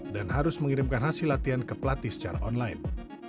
dan harus mengirimkan hasil latihan ke pelatih secara online